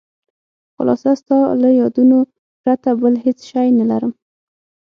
خلاصه ستا له یادونو پرته بل هېڅ شی نه لرم.